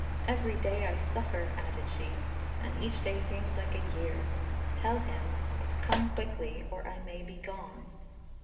"Every day I suffer," added she, "and each day seems like a year. Tell him to come quickly, or I may be gone."